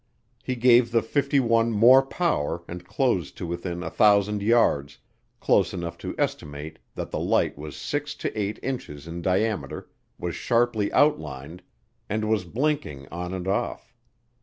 He gave the '51 more power and closed to within a 1,000 yards, close enough to estimate that the light was 6 to 8 inches in diameter, was sharply outlined, and was blinking on and off.